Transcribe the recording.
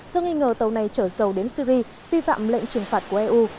do nghi ngờ tàu này trở dầu đến syri vì phạm lệnh trừng phạt của eu